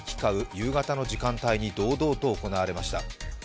夕方の時間帯に堂々と行われました。